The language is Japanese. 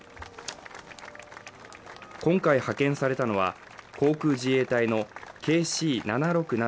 今回派遣されたのは航空自衛隊のＫＣ７６７